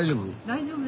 大丈夫？